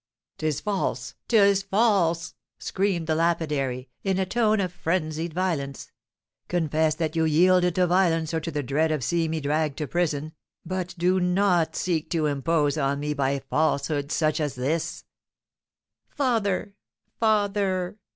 "'Tis false! 'tis false!" screamed the lapidary, in a tone of frenzied violence. "Confess that you yielded to violence or to the dread of seeing me dragged to prison, but do not seek to impose on me by falsehoods such as this." "Father! father!